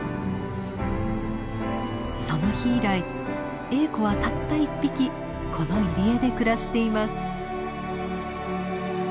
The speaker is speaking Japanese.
その日以来エーコはたった１匹この入り江で暮らしています。